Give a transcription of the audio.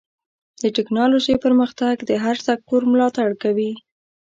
د ټکنالوجۍ پرمختګ د هر سکتور ملاتړ کوي.